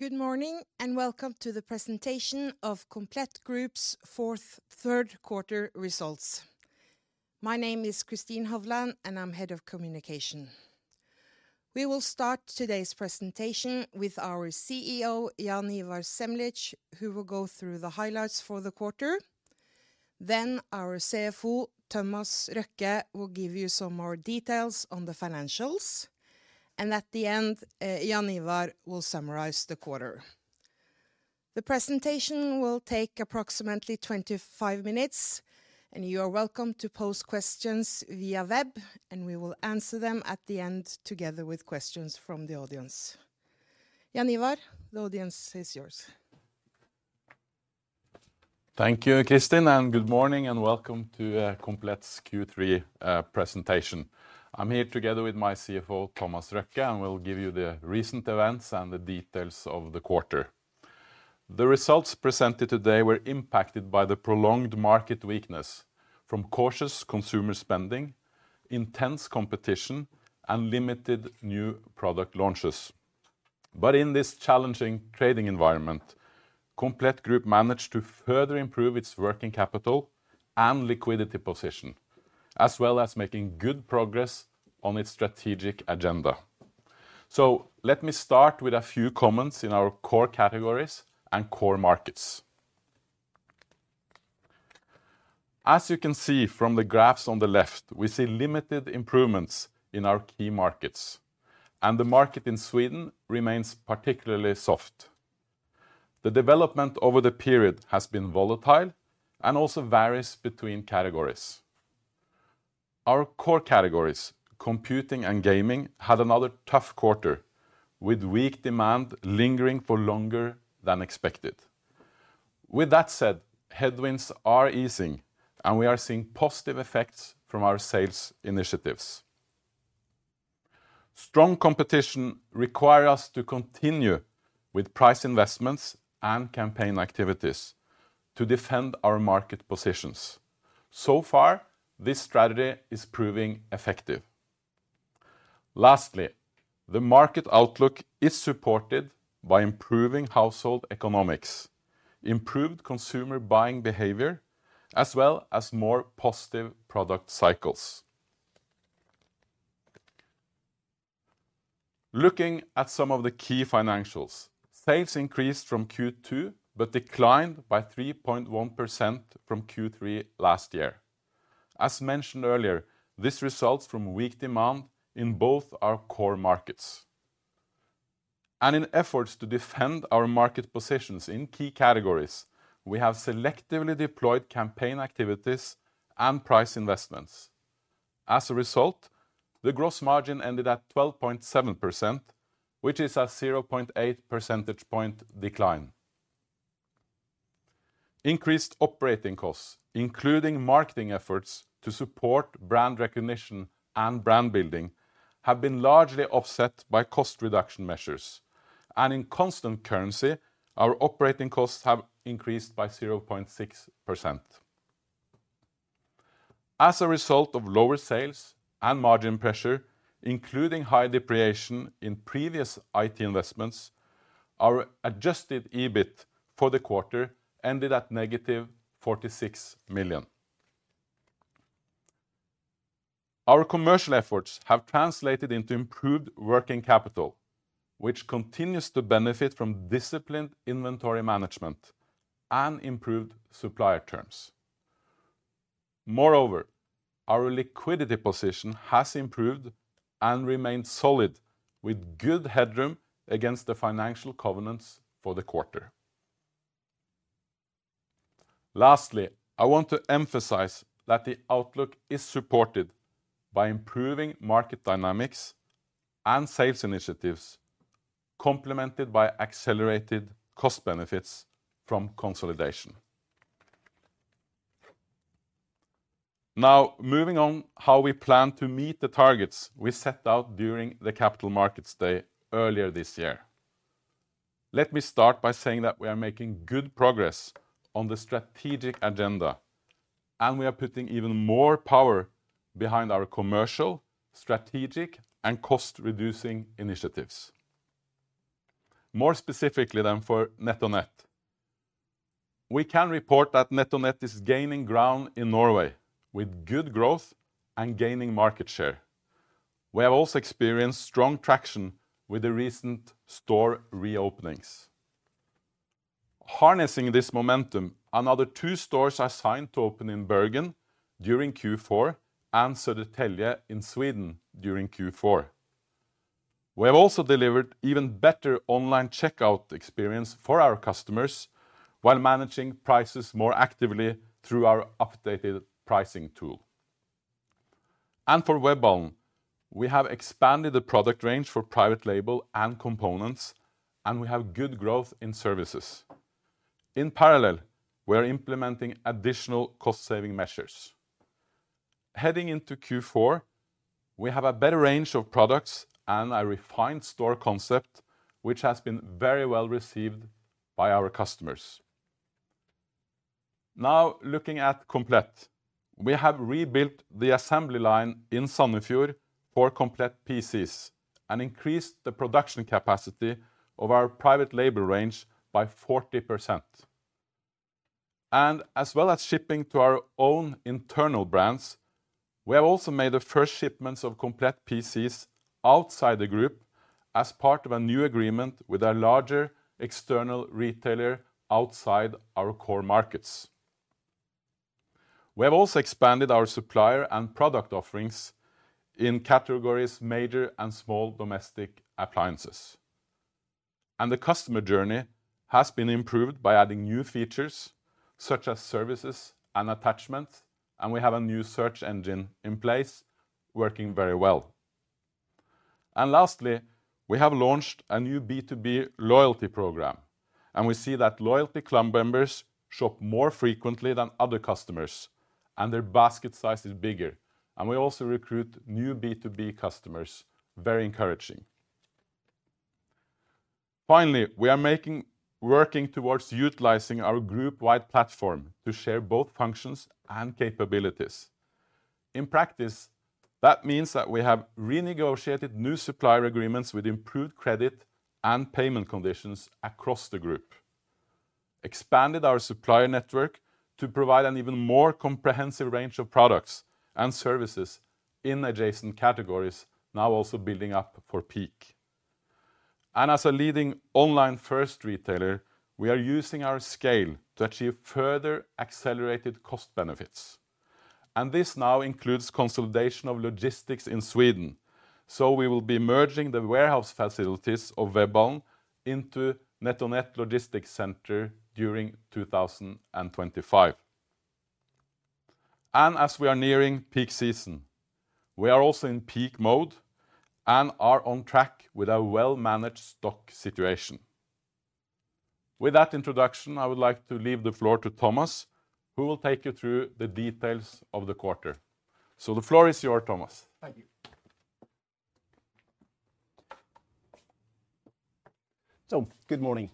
Good morning, and welcome to the presentation of Komplett Group's for the Q3 results. My name is Kristin Hovland, and I'm Head of Communication. We will start today's presentation with our CEO, Jaan Ivar Semlitsch, who will go through the highlights for the quarter. Then our CFO, Thomas Røkke, will give you some more details on the financials, and at the end, Jaan Ivar will summarize the quarter. The presentation will take approximately 25 minutes, and you are welcome to pose questions via web, and we will answer them at the end, together with questions from the audience. Jaan Ivar, the audience is yours. Thank you, Kristin, and good morning, and welcome to Komplett's Q3 presentation. I'm here together with my CFO, Thomas Røkke, and we'll give you the recent events and the details of the quarter. The results presented today were impacted by the prolonged market weakness from cautious consumer spending, intense competition, and limited new product launches. But in this challenging trading environment, Komplett Group managed to further improve its working capital and liquidity position, as well as making good progress on its strategic agenda. So let me start with a few comments in our core categories and core markets. As you can see from the graphs on the left, we see limited improvements in our key markets, and the market in Sweden remains particularly soft. The development over the period has been volatile and also varies between categories. Our core categories, computing and gaming, had another tough quarter, with weak demand lingering for longer than expected. With that said, headwinds are easing, and we are seeing positive effects from our sales initiatives. Strong competition require us to continue with price investments and campaign activities to defend our market positions. So far, this strategy is proving effective. Lastly, the market outlook is supported by improving household economics, improved consumer buying behavior, as well as more positive product cycles. Looking at some of the key financials, sales increased from Q2, but declined by 3.1% from Q3 last year. As mentioned earlier, this results from weak demand in both our core markets, and in efforts to defend our market positions in key categories, we have selectively deployed campaign activities and price investments. As a result, the gross margin ended at 12.7%, which is a 0.8 percentage point decline. Increased operating costs, including marketing efforts to support brand recognition and brand building, have been largely offset by cost reduction measures, and in constant currency, our operating costs have increased by 0.6%. As a result of lower sales and margin pressure, including high depreciation in previous IT investments, our adjusted EBIT for the quarter ended at negative 46 million. Our commercial efforts have translated into improved working capital, which continues to benefit from disciplined inventory management and improved supplier terms. Moreover, our liquidity position has improved and remained solid, with good headroom against the financial covenants for the quarter. Lastly, I want to emphasize that the outlook is supported by improving market dynamics and sales initiatives, complemented by accelerated cost benefits from consolidation. Now, moving on to how we plan to meet the targets we set out during the Capital Markets Day earlier this year. Let me start by saying that we are making good progress on the strategic agenda, and we are putting even more power behind our commercial, strategic, and cost-reducing initiatives. More specifically than for NetOnNet, we can report that NetOnNet is gaining ground in Norway with good growth and gaining market share. We have also experienced strong traction with the recent store reopenings. Harnessing this momentum, another two stores are signed to open in Bergen during Q4 and Södertälje in Sweden during Q4. We have also delivered even better online checkout experience for our customers, while managing prices more actively through our updated pricing tool. For Webhallen, we have expanded the product range for private label and components, and we have good growth in services. In parallel, we are implementing additional cost-saving measures. Heading into Q4, we have a better range of products and a refined store concept, which has been very well received by our customers. Now looking at Komplett. We have rebuilt the assembly line in Sandefjord for Komplett PCs and increased the production capacity of our private label range by 40%. And as well as shipping to our own internal brands, we have also made the first shipments of Komplett PCs outside the group as part of a new agreement with a larger external retailer outside our core markets. We have also expanded our supplier and product offerings in categories major and small domestic appliances. And the customer journey has been improved by adding new features, such as services and attachments, and we have a new search engine in place, working very well. And lastly, we have launched a new B2B loyalty program, and we see that loyalty club members shop more frequently than other customers, and their basket size is bigger. And we also recruit new B2B customers. Very encouraging. Finally, we are working towards utilizing our group-wide platform to share both functions and capabilities. In practice, that means that we have renegotiated new supplier agreements with improved credit and payment conditions across the group, expanded our supplier network to provide an even more comprehensive range of products and services in adjacent categories, now also building up for peak. And as a leading online first retailer, we are using our scale to achieve further accelerated cost benefits, and this now includes consolidation of logistics in Sweden. So we will be merging the warehouse facilities of Webhallen into NetOnNet logistics center during 2025. As we are nearing peak season, we are also in peak mode and are on track with a well-managed stock situation. With that introduction, I would like to leave the floor to Thomas, who will take you through the details of the quarter. The floor is yours, Thomas. Thank you. So good morning.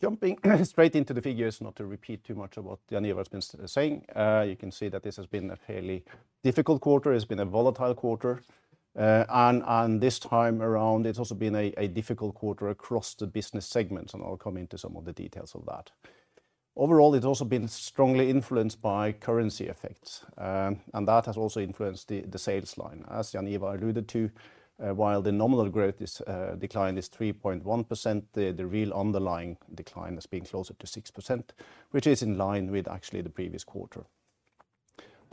Jumping straight into the figures, not to repeat too much of what Jaan Ivar has been saying, you can see that this has been a fairly difficult quarter. It's been a volatile quarter, and this time around, it's also been a difficult quarter across the business segments, and I'll come into some of the details of that. Overall, it's also been strongly influenced by currency effects, and that has also influenced the sales line. As Jaan Ivar alluded to, while the nominal decline is 3.1%, the real underlying decline has been closer to 6%, which is in line with the previous quarter.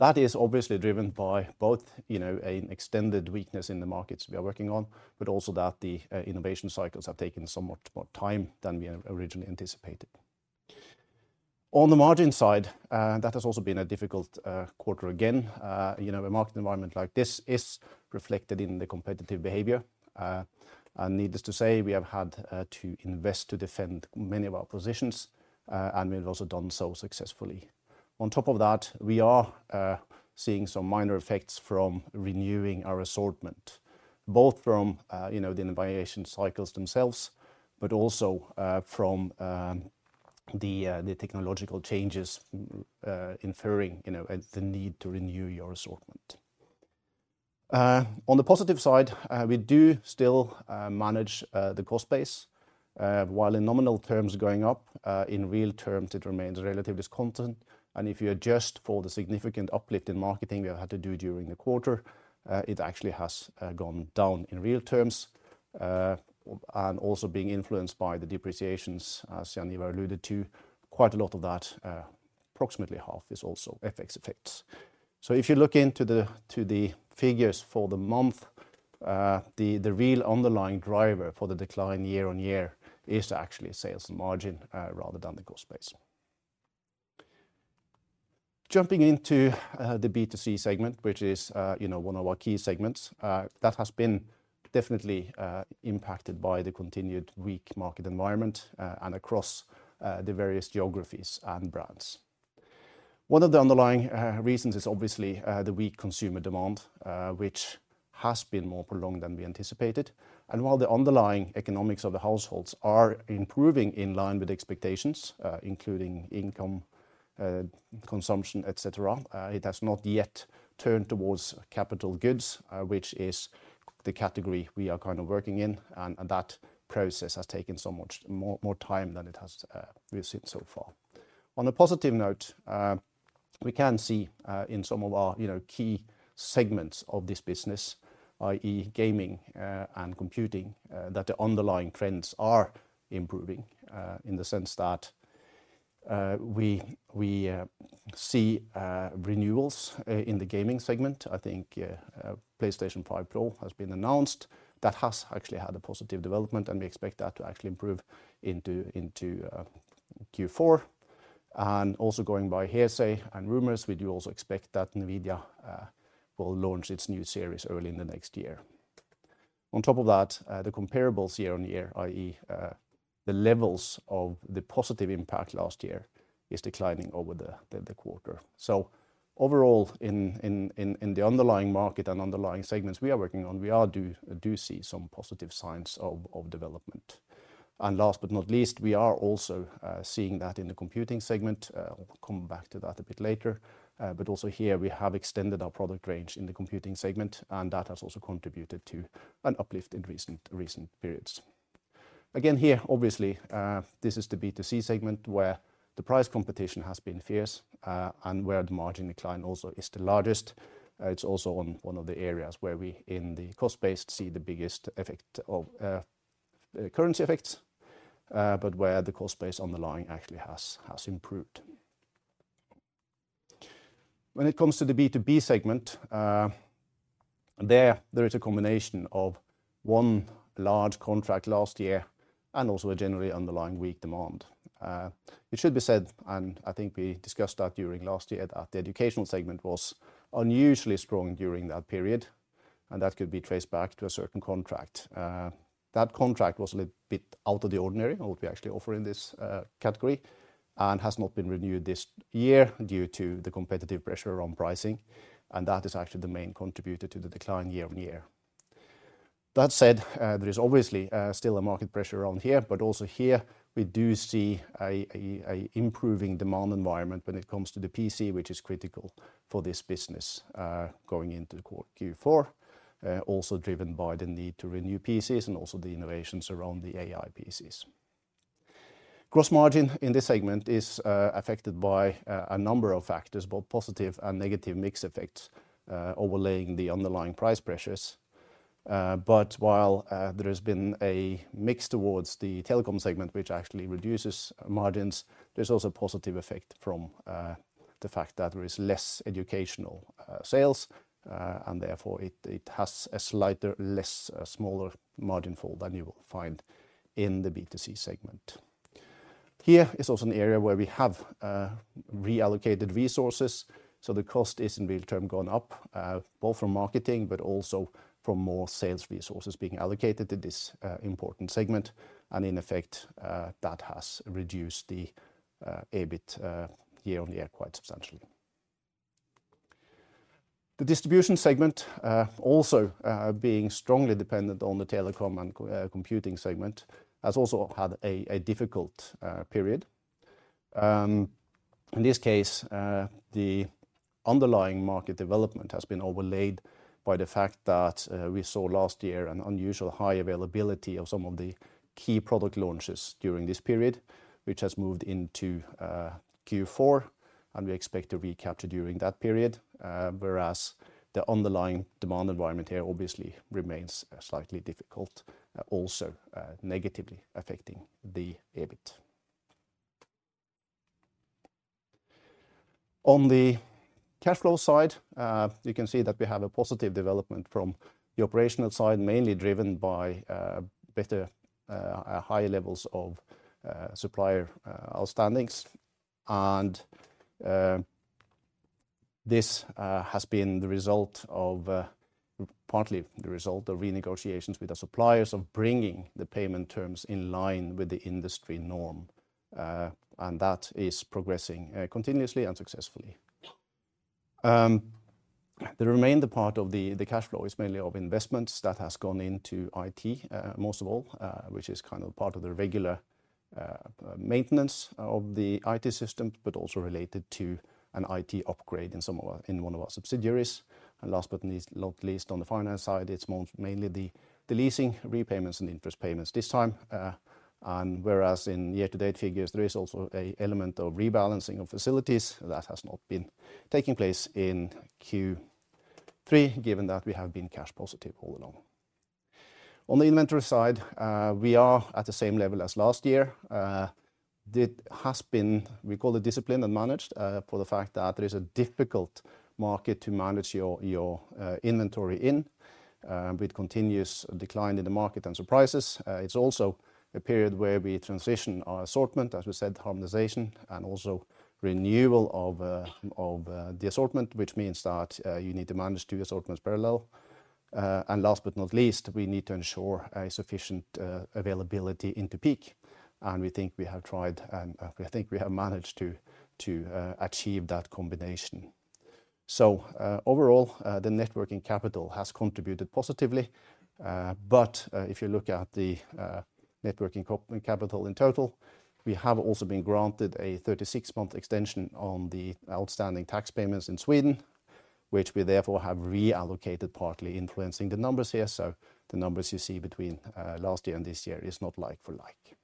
That is obviously driven by both, you know, an extended weakness in the markets we are working on, but also that the innovation cycles have taken so much more time than we had originally anticipated. On the margin side, that has also been a difficult quarter again. You know, a market environment like this is reflected in the competitive behavior, and needless to say, we have had to invest to defend many of our positions, and we've also done so successfully. On top of that, we are seeing some minor effects from renewing our assortment, both from, you know, the innovation cycles themselves, but also from the technological changes inferring at the need to renew your assortment. On the positive side, we do still manage the cost base, while in nominal terms going up, in real terms it remains relatively constant, and if you adjust for the significant uplift in marketing we have had to do during the quarter, it actually has gone down in real terms, and also being influenced by the depreciations, as Jaan Ivar alluded to, quite a lot of that, approximately half is also FX effects. So if you look into the figures for the month, the real underlying driver for the decline year-on-year is actually sales and margin, rather than the cost base. Jumping into the B2C segment, which is, you know, one of our key segments, that has been definitely impacted by the continued weak market environment, and across the various geographies and brands. One of the underlying reasons is obviously the weak consumer demand, which has been more prolonged than we anticipated, and while the underlying economics of the households are improving in line with expectations, including income, consumption, et cetera, it has not yet turned towards capital goods, which is the category we are kind of working in. And that process has taken so much more time than it has, we've seen so far. On a positive note, we can see in some of our, you know, key segments of this business, i.e. gaming and computing that the underlying trends are improving in the sense that we see renewals in the gaming segment. I think PlayStation 5 Pro has been announced. That has actually had a positive development, and we expect that to actually improve into Q4, and also going by hearsay and rumors, we do also expect that NVIDIA will launch its new series early in the next year. On top of that, the comparables year-on-year, i.e., the levels of the positive impact last year, is declining over the quarter, so overall, in the underlying market and underlying segments we are working on, we do see some positive signs of development, and last but not least, we are also seeing that in the computing segment. I'll come back to that a bit later. But also here, we have extended our product range in the computing segment, and that has also contributed to an uplift in recent periods. Again, here, obviously, this is the B2C segment, where the price competition has been fierce, and where the margin decline also is the largest. It's also on one of the areas where we, in the cost base, see the biggest effect of currency effects, but where the cost base on the line actually has improved. When it comes to the B2B segment, there is a combination of one large contract last year and also a generally underlying weak demand. It should be said, and I think we discussed that during last year, that the educational segment was unusually strong during that period, and that could be traced back to a certain contract. That contract was a little bit out of the ordinary of what we actually offer in this category, and has not been renewed this year due to the competitive pressure on pricing, and that is actually the main contributor to the decline year-on-year. That said, there is obviously still a market pressure around here, but also here we do see an improving demand environment when it comes to the PC, which is critical for this business going into Q4. Also driven by the need to renew PCs and also the innovations around the AI PCs. Gross margin in this segment is affected by a number of factors, both positive and negative mix effects, overlaying the underlying price pressures, but while there has been a mix towards the telecom segment, which actually reduces margins, there's also a positive effect from the fact that there is less educational sales, And therefore it has a slightly smaller margin fall than you will find in the B2C segment. Here is also an area where we have reallocated resources, so the cost is in real term gone up, both from marketing, but also from more sales resources being allocated to this important segment, and in effect, that has reduced the EBIT year-on-year quite substantially. The distribution segment, also being strongly dependent on the telecom and computing segment, has also had a difficult period. In this case, the underlying market development has been overlaid by the fact that we saw last year an unusual high availability of some of the key product launches during this period, which has moved into Q4, and we expect to recapture during that period. Whereas the underlying demand environment here obviously remains slightly difficult, also negatively affecting the EBIT. On the cash flow side, you can see that we have a positive development from the operational side, mainly driven by better high levels of supplier outstandings, and this has been the result of partly the result of renegotiations with the suppliers of bringing the payment terms in line with the industry norm, and that is progressing continuously and successfully. The remainder part of the cash flow is mainly of investments that has gone into IT, most of all, which is kind of part of the regular maintenance of the IT system, but also related to an IT upgrade in one of our subsidiaries, and last but not least, on the finance side, it's more mainly the leasing repayments and interest payments this time, and whereas in year-to-date figures, there is also a element of rebalancing of facilities, that has not been taking place in Q3, given that we have been cash positive all along. On the inventory side, we are at the same level as last year. It has been, we call it, disciplined and managed for the fact that there is a difficult market to manage your inventory in with continuous decline in the market and surprises. It's also a period where we transition our assortment, as we said, harmonization and also renewal of the assortment, which means that you need to manage two assortments parallel, and last but not least, we need to ensure a sufficient availability into peak, and we think we have tried, and we think we have managed to achieve that combination. So overall, the net working capital has contributed positively. But if you look at the net working capital in total, we have also been granted a thirty-six-month extension on the outstanding tax payments in Sweden, which we therefore have reallocated, partly influencing the numbers here. So the numbers you see between last year and this year is not like for like.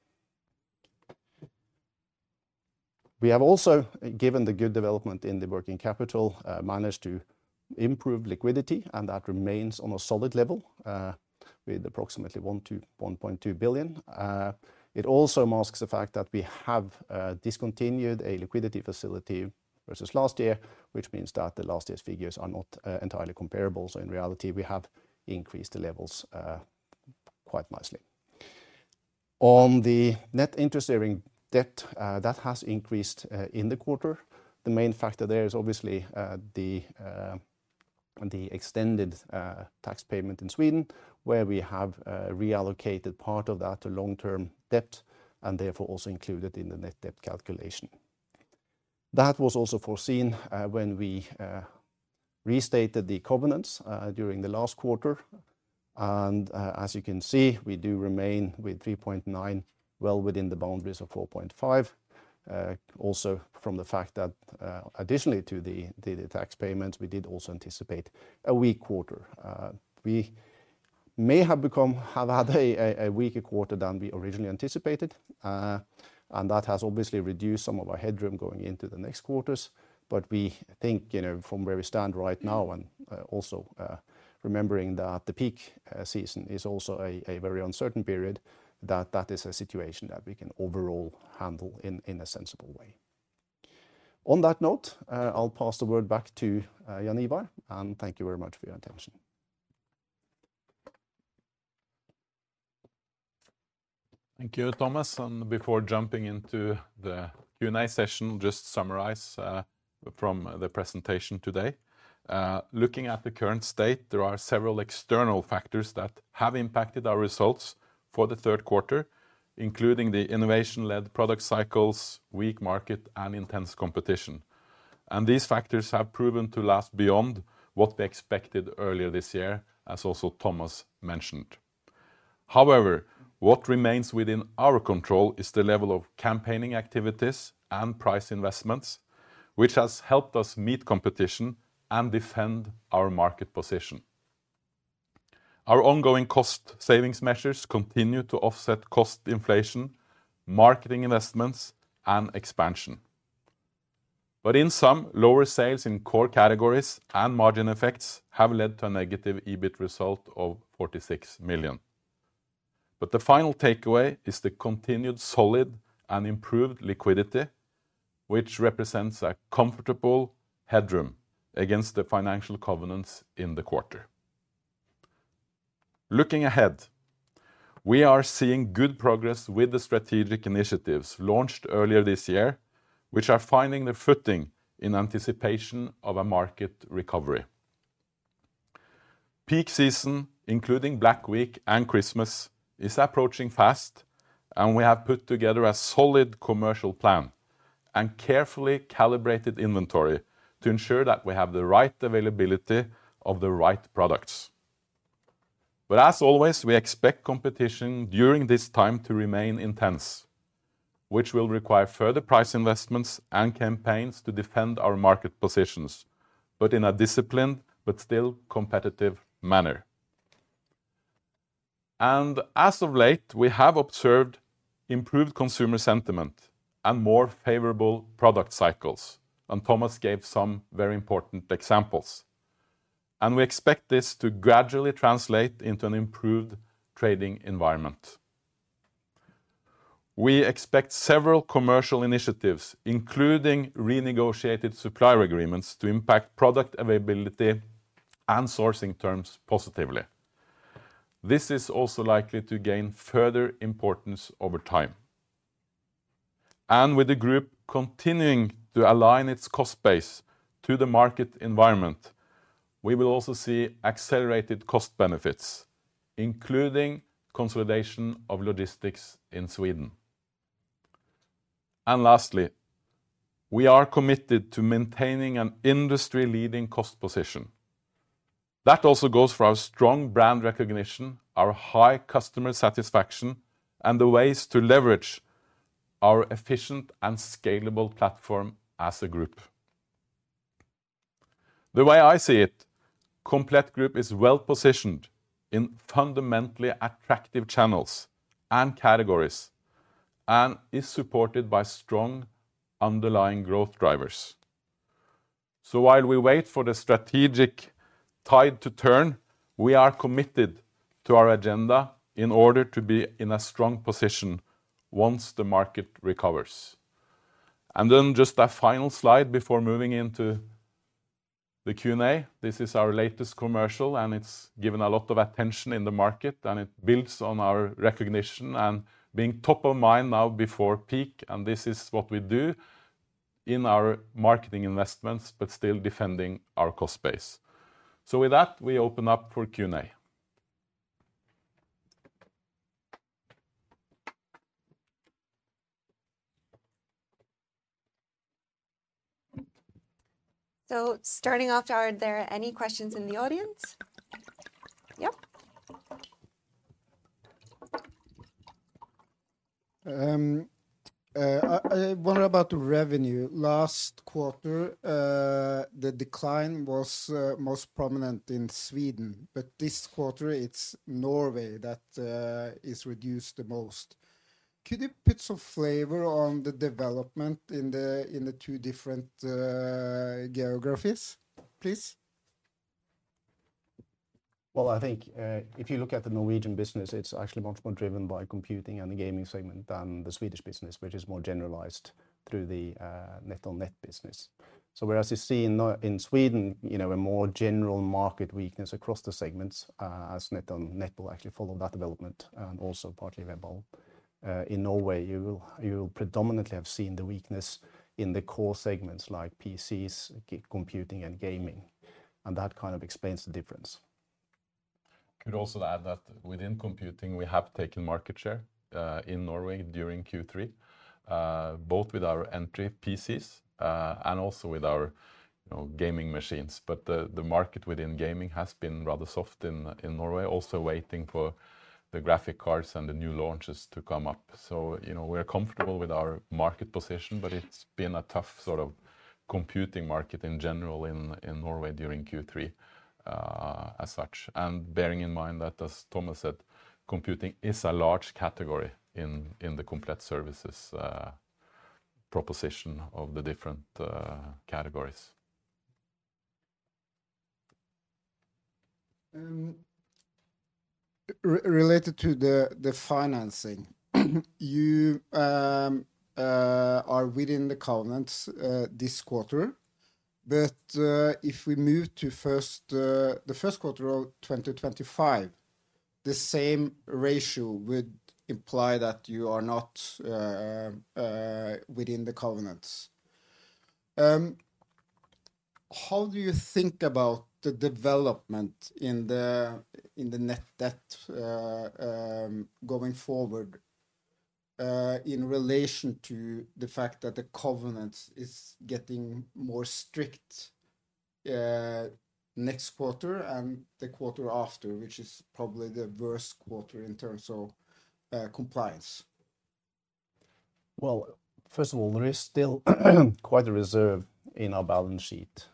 We have also, given the good development in the working capital, managed to improve liquidity, and that remains on a solid level with approximately 1-1.2 billion. It also masks the fact that we have discontinued a liquidity facility versus last year, which means that the last year's figures are not entirely comparable. So in reality, we have increased the levels quite nicely. On the net interest-bearing debt, that has increased in the quarter. The main factor there is obviously the extended tax payment in Sweden, where we have reallocated part of that to long-term debt, and therefore also included in the net debt calculation. That was also foreseen when we restated the covenants during the last quarter. And, as you can see, we do remain with 3.9, well within the boundaries of 4.5. Also from the fact that, additionally to the tax payments, we did also anticipate a weak quarter. We may have had a weaker quarter than we originally anticipated, and that has obviously reduced some of our headroom going into the next quarters. But we think, you know, from where we stand right now and also remembering that the peak season is also a very uncertain period, that is a situation that we can overall handle in a sensible way. On that note, I'll pass the word back to Jaan Ivar, and thank you very much for your attention. Thank you, Thomas, and before jumping into the Q&A session, just to summarize from the presentation today. Looking at the current state, there are several external factors that have impacted our results for the third quarter, including the innovation-led product cycles, weak market, and intense competition. These factors have proven to last beyond what we expected earlier this year, as also Thomas mentioned. However, what remains within our control is the level of campaigning activities and price investments, which has helped us meet competition and defend our market position. Our ongoing cost savings measures continue to offset cost inflation, marketing investments, and expansion. But, in sum, lower sales in core categories and margin effects have led to a negative EBIT result of 46 million. The final takeaway is the continued solid and improved liquidity, which represents a comfortable headroom against the financial covenants in the quarter. Looking ahead, we are seeing good progress with the strategic initiatives launched earlier this year, which are finding their footing in anticipation of a market recovery. Peak Season, including Black Week and Christmas, is approaching fast, and we have put together a solid commercial plan and carefully calibrated inventory to ensure that we have the right availability of the right products, but as always, we expect competition during this time to remain intense, which will require further price investments and campaigns to defend our market positions, but in a disciplined but still competitive manner, and as of late, we have observed improved consumer sentiment and more favorable product cycles, and Thomas gave some very important examples, and we expect this to gradually translate into an improved trading environment. We expect several commercial initiatives, including renegotiated supplier agreements, to impact product availability and sourcing terms positively. This is also likely to gain further importance over time, and with the group continuing to align its cost base to the market environment, we will also see accelerated cost benefits, including consolidation of logistics in Sweden. And lastly, we are committed to maintaining an industry-leading cost position. That also goes for our strong brand recognition, our high customer satisfaction, and the ways to leverage our efficient and scalable platform as a group. The way I see it, Komplett Group is well positioned in fundamentally attractive channels and categories and is supported by strong underlying growth drivers, so while we wait for the strategic tide to turn, we are committed to our agenda in order to be in a strong position once the market recovers, and then just a final slide before moving into the Q&A. This is our latest commercial, and it's given a lot of attention in the market, and it builds on our recognition and being top of mind now before peak. And this is what we do in our marketing investments, but still defending our cost base. So with that, we open up for Q&A. So starting off, are there any questions in the audience? Yep. What about the revenue? Last quarter, the decline was most prominent in Sweden, but this quarter it's Norway that is reduced the most. Could you put some flavor on the development in the two different geographies, please? Well, I think if you look at the Norwegian business, it's actually much more driven by computing and the gaming segment than the Swedish business, which is more generalized through the NetOnNet business. So whereas you see in Sweden, you know, a more general market weakness across the segments, as NetOnNet will actually follow that development, and also partly Webhallen. In Norway, you will predominantly have seen the weakness in the core segments like PCs, computing, and gaming, and that kind of explains the difference. ... I could also add that within computing, we have taken market share in Norway during Q3, both with our entry PCs and also with our, you know, gaming machines. But the market within gaming has been rather soft in Norway, also waiting for the graphics cards and the new launches to come up. So, you know, we're comfortable with our market position, but it's been a tough sort of computing market in general in Norway during Q3, as such, and bearing in mind that, as Thomas said, computing is a large category in the Komplett services proposition of the different categories. Related to the financing, you are within the covenants this quarter, but if we move to the first quarter of 2025, the same ratio would imply that you are not within the covenants. How do you think about the development in the net debt going forward, in relation to the fact that the covenants is getting more strict next quarter and the quarter after, which is probably the worst quarter in terms of compliance? First of all, there is still quite a reserve in our balance sheet,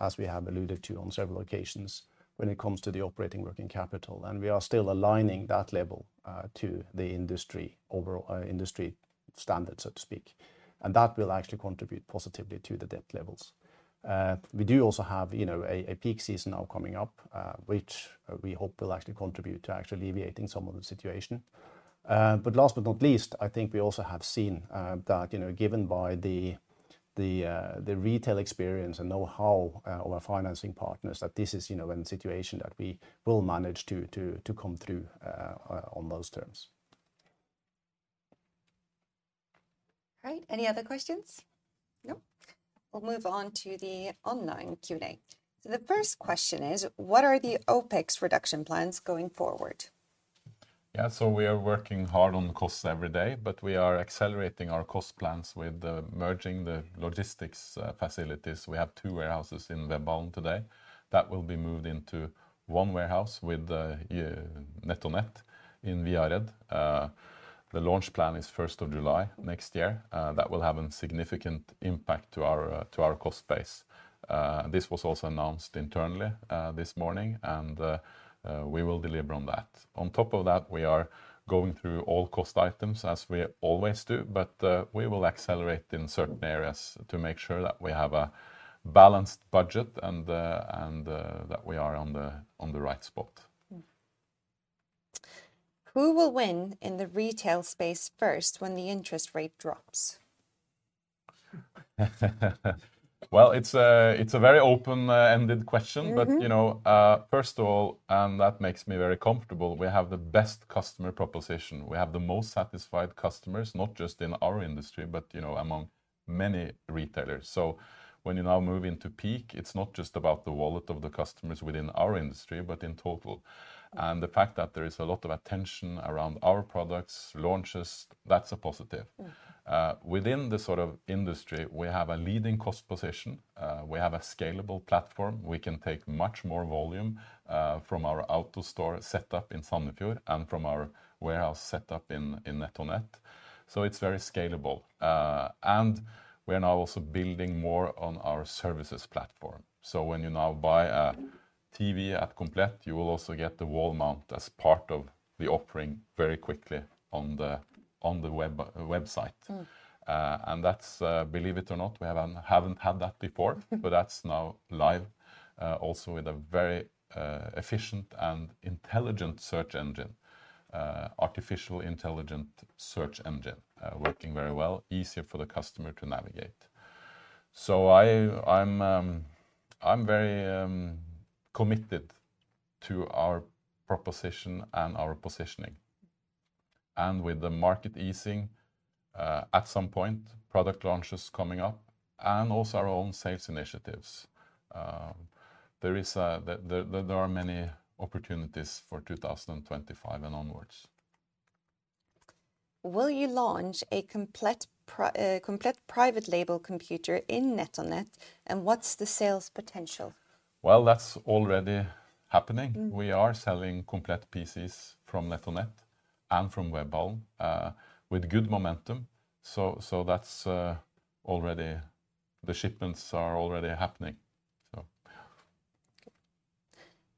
as we have alluded to on several occasions, when it comes to the net working capital, and we are still aligning that level to the overall industry standards, so to speak, and that will actually contribute positively to the debt levels. We do also have, you know, a peak season now coming up, which we hope will actually contribute to actually alleviating some of the situation. But last but not least, I think we also have seen that, you know, given the retail experience and know-how of our financing partners, that this is, you know, a situation that we will manage to come through on those terms. All right, any other questions? Nope. We'll move on to the online Q&A. So the first question is: What are the OpEx reduction plans going forward? Yeah, so we are working hard on costs every day, but we are accelerating our cost plans with the merging the logistics facilities. We have two warehouses in Webhallen today. That will be moved into one warehouse with the NetOnNet in Viared. The launch plan is 1st of July next year. That will have a significant impact to our cost base. This was also announced internally this morning, and we will deliver on that. On top of that, we are going through all cost items, as we always do, but we will accelerate in certain areas to make sure that we have a balanced budget and that we are on the right spot. Who will win in the retail space first when the interest rate drops? It's a very open-ended question. But, you know, first of all, and that makes me very comfortable, we have the best customer proposition. We have the most satisfied customers, not just in our industry, but, you know, among many retailers. So when you now move into peak, it's not just about the wallet of the customers within our industry, but in total. And the fact that there is a lot of attention around our products, launches, that's a positive. Within this sort of industry, we have a leading cost position. We have a scalable platform. We can take much more volume from our out-of-store setup in Sandefjord and from our warehouse setup in NetOnNet. So it's very scalable. And we are now also building more on our services platform. So when you now buy a TV at Komplett, you will also get the wall mount as part of the offering very quickly on the website. And that's, believe it or not, we haven't had that before. But that's now live, also with a very efficient and intelligent search engine, artificial intelligent search engine, working very well, easier for the customer to navigate. So I'm very committed to our proposition and our positioning. And with the market easing, at some point, product launches coming up, and also our own sales initiatives, there are many opportunities for 2025 and onwards. Will you launch a Komplett private label computer in NetOnNet, and what's the sales potential? That's already happening. We are selling Komplett PCs from NetOnNet and from Webhallen with good momentum. So that's already... The shipments are already happening, so yeah.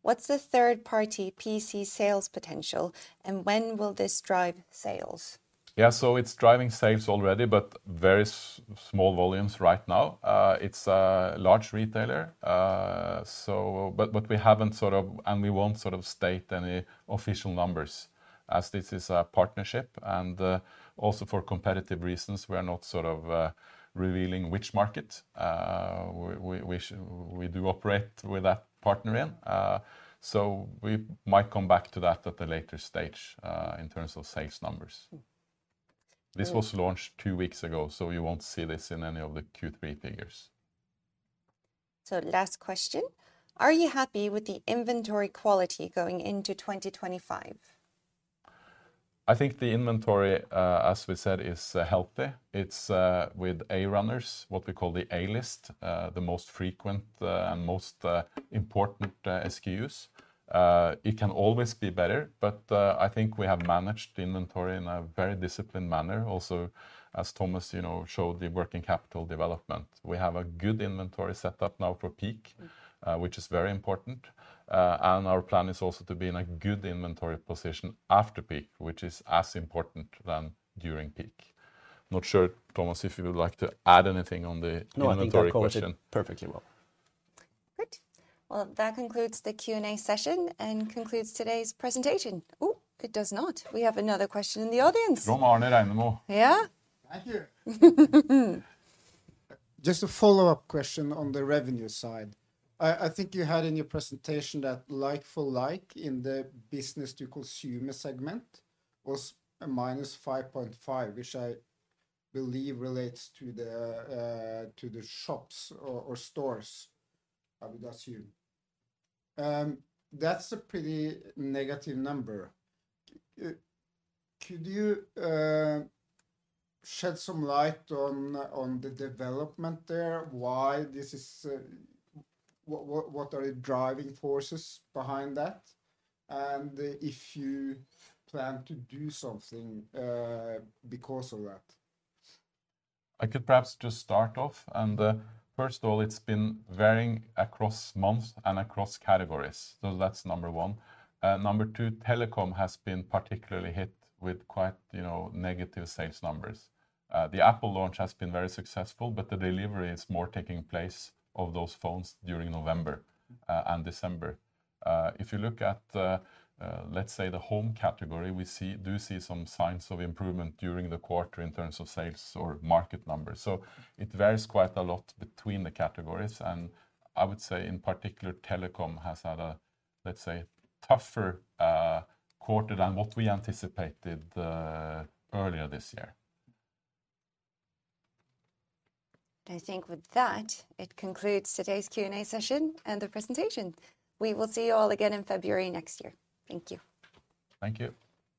What's the third-party PC sales potential, and when will this drive sales? Yeah, so it's driving sales already, but very small volumes right now. It's a large retailer. So, but we haven't sort of, and we won't sort of state any official numbers, as this is a partnership, and also for competitive reasons, we are not sort of revealing which market we do operate with that partner in. So we might come back to that at a later stage, in terms of sales numbers. This was launched two weeks ago, so you won't see this in any of the Q3 figures. So last question: Are you happy with the inventory quality going into 2025? I think the inventory, as we said, is healthy. It's with A-runners, what we call the A-list, the most frequent and most important SKUs. It can always be better, but I think we have managed the inventory in a very disciplined manner. Also, as Thomas, you know, showed the working capital development. We have a good inventory set up now for peak, which is very important. And our plan is also to be in a good inventory position after peak, which is as important than during peak. Not sure, Thomas, if you would like to add anything on the inventory question. No, I think you covered it perfectly well. Great! Well, that concludes the Q&A session and concludes today's presentation. Oh, it does not. We have another question in the audience. [inaudible] Yeah. Thank you. Just a follow-up question on the revenue side. I think you had in your presentation that like for like in the business to consumer segment was a minus five point five, which I believe relates to the shops or stores, I would assume. That's a pretty negative number. Could you shed some light on the development there? Why this is... What are the driving forces behind that, and if you plan to do something because of that? I could perhaps just start off, and, first of all, it's been varying across months and across categories. So that's number one. Number two, telecom has been particularly hit with quite, you know, negative sales numbers. The Apple launch has been very successful, but the delivery is more taking place of those phones during November and December. If you look at, let's say, the home category, we do see some signs of improvement during the quarter in terms of sales or market numbers. So it varies quite a lot between the categories, and I would say, in particular, telecom has had a, let's say, tougher quarter than what we anticipated earlier this year. I think with that, it concludes today's Q&A session and the presentation. We will see you all again in February next year. Thank you. Thank you.